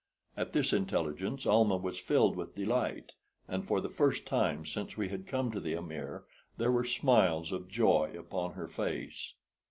At this intelligence Almah was filled with delight, and for the first time since we had come to the amir there were smiles of joy upon her face.